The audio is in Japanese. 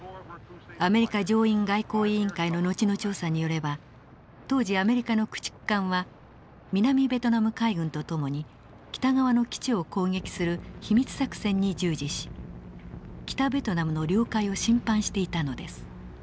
アメリカ上院外交委員会の後の調査によれば当時アメリカの駆逐艦は南ベトナム海軍と共に北側の基地を攻撃する秘密作戦に従事し北ベトナムの領海を侵犯していたのです。